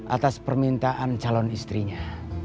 atas permintaan calon istrinya